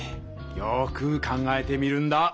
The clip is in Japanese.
よく考えてみるんだ！